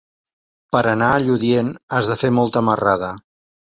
Per anar a Lludient has de fer molta marrada.